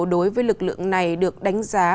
đối với lực lượng này được đánh giá